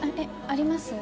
あります？